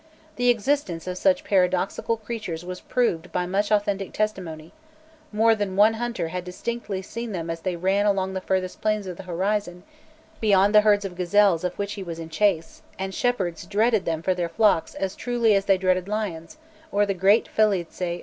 The existence of such paradoxical creatures was proved by much authentic testimony; more than one hunter had distinctly seen them as they ran along the furthest planes of the horizon, beyond the herds of gazelles of which he was in chase; and shepherds dreaded them for their flocks as truly as they dreaded the lions, or the great felidse of the desert.